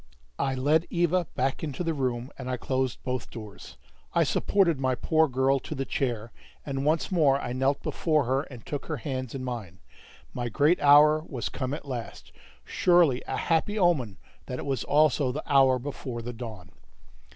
I led Eva back into the room, and I closed both doors. I supported my poor girl to the chair, and once more I knelt before her and took her hands in mine. My great hour was come at last: surely a happy omen that it was also the hour before the dawn.